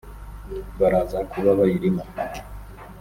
baraza kuba bayirimo